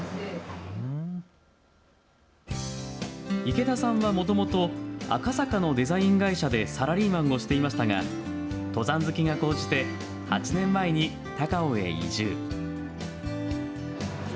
池田さんは、もともと赤坂のデザイン会社でサラリーマンをしていましたが登山好きがこうじて８年前に高尾へ移住。